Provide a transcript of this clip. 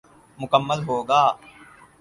مکمل ہو گا۔